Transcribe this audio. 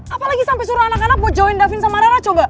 apalagi sampe suruh anak anak buat jauhin davin sama rana coba